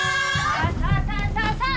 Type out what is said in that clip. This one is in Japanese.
さあさあさあさあ。